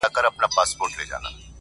د مېږیانو وې جرګې او مجلسونه-